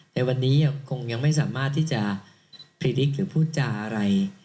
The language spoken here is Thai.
ในวันนี้ยังคงยังไม่สามารถที่จะพรีลิกหรือพูดจาอะไร